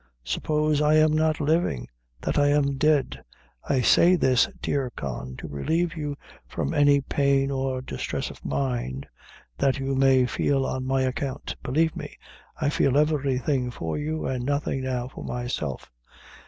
Suppose I am not living that I am dead. I say this, dear Con, to relieve you from any pain or distress of mind that you may feel on my account. Believe me, I feel everything for you, an' nothing now for myself.